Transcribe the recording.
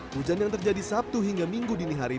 hujan yang terjadi sabtu hingga minggu dini hari